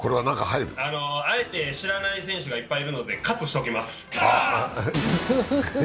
あえて知らない選手がいっぱいいるので、喝しておきます。